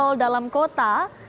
yang berada di dalam kota